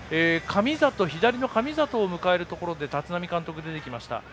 左の神里を迎えるところで立浪監督出てきました。